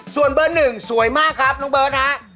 ส่วนเบอร์๑สวยมากครับน้องเบิร์ตฮะ